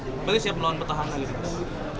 harus siap melawan petahana gitu